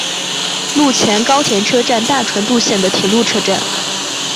陆前高田车站大船渡线的铁路车站。